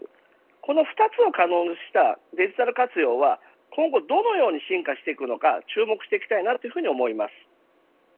この２つを可能にしたデジタル活用は今後どのように進化していくのか注目していきたいなと思います。